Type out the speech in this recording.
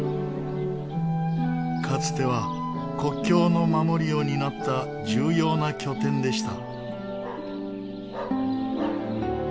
かつては国境の守りを担った重要な拠点でした。